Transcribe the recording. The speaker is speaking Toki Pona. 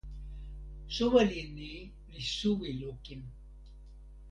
soweli ni li suwi lukin.